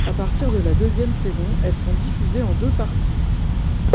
À partir de la deuxième saison, elles sont diffusées en deux parties.